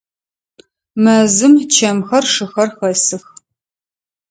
Мэзым чэмхэр, шыхэр хэсых.